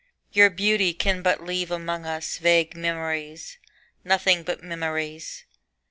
Your beauty can but leave among us Vague memories, nothing but memories.